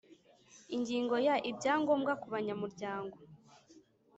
Ingingo ya Ibyangombwa kubanyamuryango